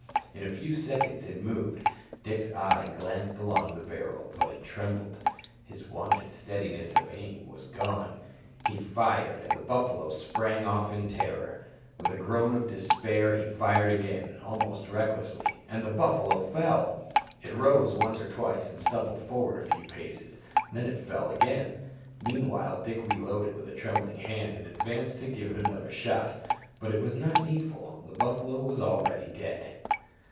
In a few seconds it moved; Dick's eye glanced along the barrel, but it trembled his wonted steadiness of aim was gone. He fired, and the buffalo sprang off in terror. With a groan of despair he fired again almost recklessly and the buffalo fell! It rose once or twice and stumbled forward a few paces, then it fell again. Meanwhile Dick reloaded with trembling hand, and advanced to give it another shot; but it was not needful the buffalo was already dead.